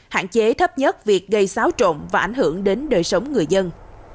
hạn chế thấp nhất việc gây xáo trộn và ảnh hưởng đến đời sống người dân